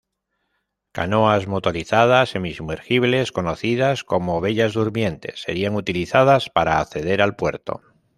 Canoas motorizadas semi-sumergibles, conocidas como "bellas durmientes", serían utilizadas para acceder al puerto.